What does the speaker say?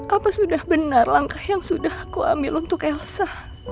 apa sudah benar langkah yang sudah aku ambil untuk elsa